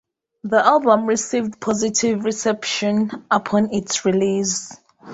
The album received positive reception upon its release.